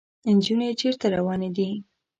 انجونې چېرته روانې دي ؟